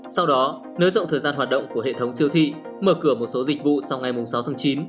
sau đó nới rộng thời gian hoạt động của hệ thống siêu thị mở cửa một số dịch vụ sau ngày sáu tháng chín